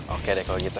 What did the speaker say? oke deh kalau gitu